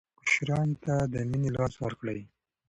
کشرانو ته د مینې لاس ورکړئ.